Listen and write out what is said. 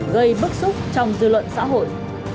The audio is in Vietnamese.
gây bức xúc trong dư luận xã hội